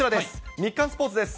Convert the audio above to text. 日刊スポーツです。